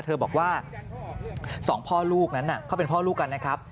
เธอบอกว่า๒พ่อลูกนั้นเขาเป็นพ่อลูกกันนะครับ